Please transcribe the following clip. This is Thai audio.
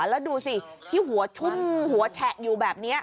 แล้วดูสิที่หัวชุ่มหัวแฉะอยู่แบบนี้